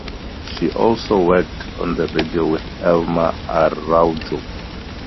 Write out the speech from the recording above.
She also worked on the radio with Elmer Araujo.